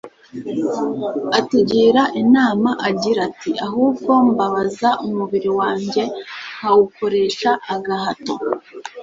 atugira inama agira ati, ahubwo mbabaza umubiri wanjye nkawukoresha agahato